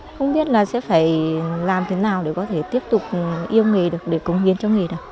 không biết là sẽ phải làm thế nào để có thể tiếp tục yêu nghề được để cống hiến cho nghề được